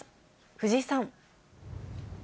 藤井さん。